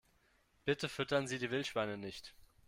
Bitte füttern Sie die Wildschweine nicht!